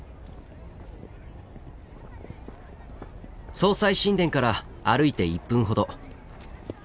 葬祭神殿から歩いて１分ほど。